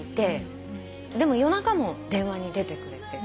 でも夜中も電話に出てくれて。